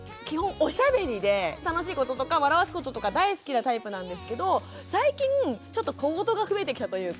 おしゃべりで楽しいこととか笑わすこととか大好きなタイプなんですけど最近ちょっと小言が増えてきたというか。